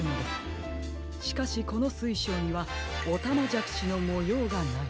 しかしこのすいしょうにはおたまじゃくしのもようがない。